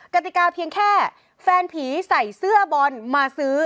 กติกาเพียงแค่แฟนผีใส่เสื้อบอลมาซื้อ